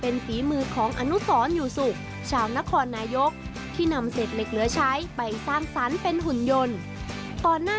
เป็นฝีมือของอนุสรอยู่สุขชาวนครนายกที่นำเศษเหล็กเหลือใช้ไปสร้างสรรค์เป็นหุ่นยนต์